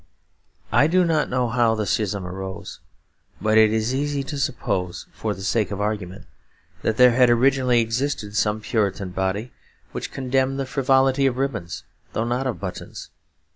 I do not know how the schism arose; but it is easy to suppose, for the sake of argument, that there had originally existed some Puritan body which condemned the frivolity of ribbons though not of buttons.